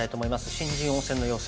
新人王戦の予選